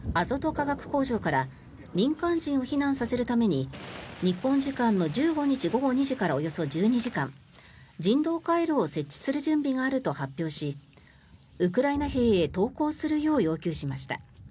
化学工場から民間人を避難させるために日本時間の１５日午後２時からおよそ１２時間、人道回廊を設置する準備があると発表しウクライナ兵へ投降するよう要求しました。